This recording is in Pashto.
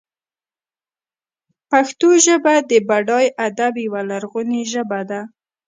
پښتو ژبه د بډای ادب یوه لرغونې ژبه ده.